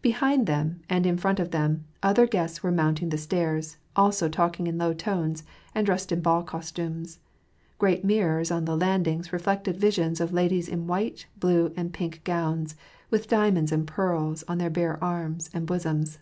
Behind them, and in front of them, other guests were mounting the stairs, also talking in low tones, and dressed in ball costumes. Great mirrors on the landings reflected visions of ladies in white, blue, and pink gowns, with diamonds and pearls on their bare arms and bosoms.